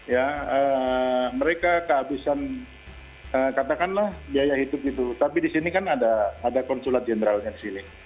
ya mereka kehabisan katakanlah biaya hidup gitu tapi di sini kan ada konsulat jenderalnya di sini